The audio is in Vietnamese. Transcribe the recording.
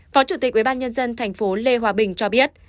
phó chủ tịch ubnd tp lê hòa bình cho biết